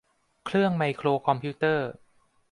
เครื่องไมโครคอมพิวเตอร์